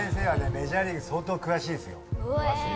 メジャーリーグ相当詳しいっすよ。